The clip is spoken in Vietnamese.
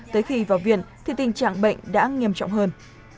tới khi vào viện thì tình trạng bệnh đã nghiêm trọng hơn